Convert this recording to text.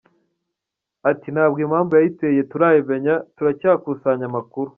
Ati " Ntabwo impamvu yayiteye turayimenya, turacyakusanya amakuru.